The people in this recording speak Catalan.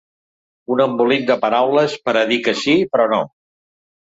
Un embolic de paraules per a dir que sí però no.